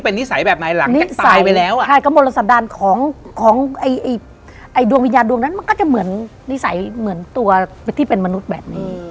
พี่หายก็มอลสัมดารณ์ของดวงวิญญาณดวงนั้นมันก็จะเหมือนนิสัยเหมือนตัวที่เป็นมนุษย์แบบนี้